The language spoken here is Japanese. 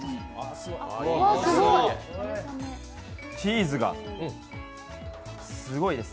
チーズが、すごいです。